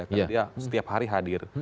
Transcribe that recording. karena dia setiap hari hadir